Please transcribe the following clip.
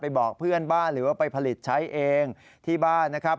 บอกเพื่อนบ้านหรือว่าไปผลิตใช้เองที่บ้านนะครับ